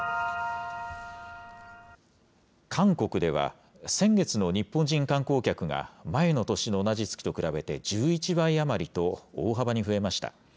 韓国では、先月の日本人観光客が前の年の同じ月と比べて１１倍余りと大幅に増えました。